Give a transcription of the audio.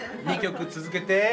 ２曲続けて。